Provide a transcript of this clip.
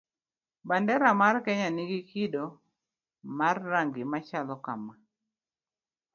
Bandera mar kenya nigi kido mar rangi machalo kamaa: